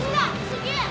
すげえ！